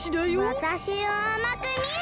わたしをあまくみるな！